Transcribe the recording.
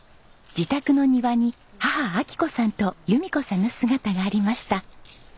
自宅の庭に母昭子さんと弓子さんの姿がありました。